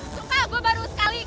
sumpah gue baru sekali ke stage elro